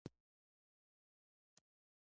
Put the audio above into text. آیا د ښي لاس خیرات باید چپ لاس خبر نشي؟